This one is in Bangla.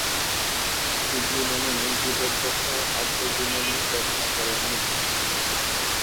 শিবলী নোমানী জীবদ্দশায় আত্মজীবনী রচনা করেন নি।